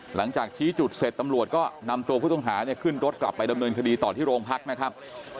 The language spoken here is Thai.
หลังจากชี้จุดเสร็จตำรวจก็นำตัวผู้ต้องหาเนี่ยขึ้นรถกลับไปดำเนินคดีต่อที่โรงพักนะครับ